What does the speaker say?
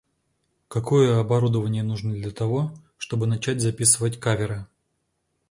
Какое оборудование нужно для того, чтобы начать записывать каверы?